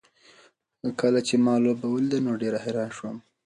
کله چې ما لوبه ولیده نو ډېر حیران شوم.